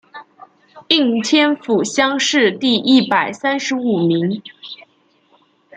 应天府乡试第一百三十五名。